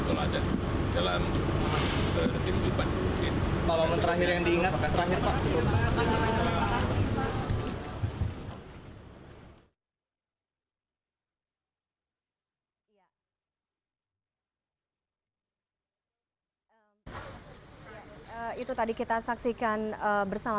terima kasih pak